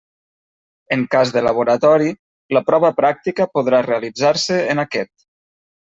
En cas de laboratori, la prova pràctica podrà realitzar-se en aquest.